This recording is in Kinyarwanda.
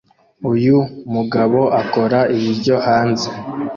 Uyu mugabo akora ibiryo hanze